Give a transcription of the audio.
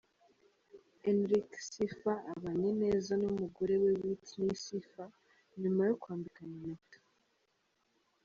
Enric Sifa abanye neza n'umugore we Whitney Sifa nyuma yo kwambikana impeta.